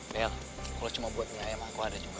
bel kalau cuma buat niayam aku ada juga pak